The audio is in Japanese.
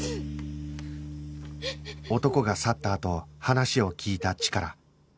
男が去ったあと話を聞いたチカラ